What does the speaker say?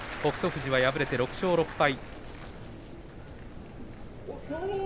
富士は敗れて６勝６敗。